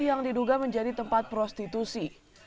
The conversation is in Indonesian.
yang diduga menjadi tempat prostitusi